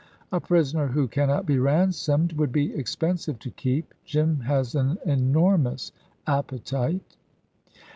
A prisoner who cannot be ransomed would be expensive to keep. Jim has an enormous appetite."